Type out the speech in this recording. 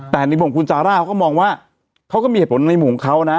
แต่ในมุมคุณซาร่าเขาก็มองว่าเขาก็มีเหตุผลในมุมของเขานะ